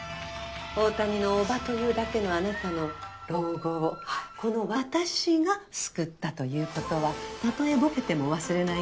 大谷の叔母というだけのあなたの老後をこの私が救ったということはたとえぼけても忘れないことね。